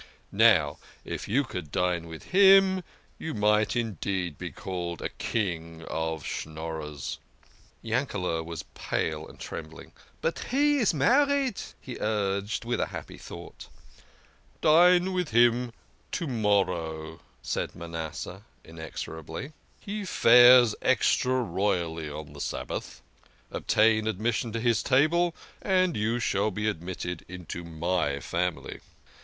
Now if you could dine with him you might indeed be called a king of Schnorrers" Yankele" was pale and trembling. " But he is married !" he urged, with a happy thought. " Dine with him to morrow," said Manasseh inexorably. " He fares extra royally on the Sabbath. Obtain admission to his table, and you shall be admitted into my family."